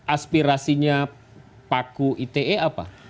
aspirasinya pak ku ite apa